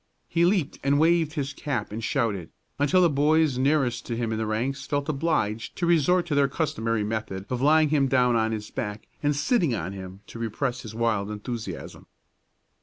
He leaped and waved his cap and shouted, until the boys nearest to him in the ranks felt obliged to resort to their customary method of laying him down on his back and sitting on him to repress his wild enthusiasm.